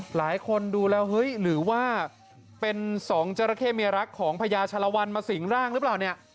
หลายคนดูแล้วเฮ้ยหรือว่าเป็นสองจราเข้เมียรักของพญาชะละวันมาสิงร่างหรือเปล่าเนี่ย